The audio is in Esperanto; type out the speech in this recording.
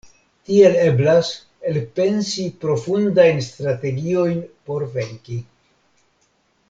Tiel eblas elpensi profundajn strategiojn por venki.